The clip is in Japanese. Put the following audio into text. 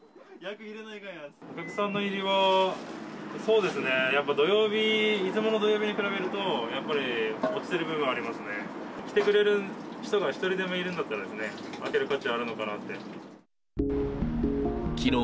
お客さんの入りは、そうですね、やっぱり土曜日、いつもの土曜日に比べると、やっぱり落ちてる部分はありますね。来てくれる人が１人でもいるんだったら、開ける価値はあるのかなって。